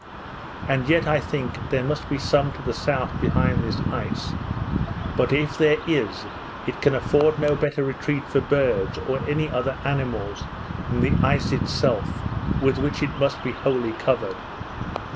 And yet I think, there must be some to the south behind this ice; but if there is, it can afford no better retreat for birds, or any other animals, than the ice itself, with which it must be wholly covered.